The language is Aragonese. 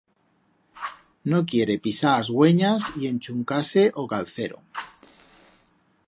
No quiere pisar as buenyas y enchuncar-se o calcero.